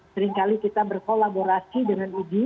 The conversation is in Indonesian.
seringkali kita berkolaborasi dengan idi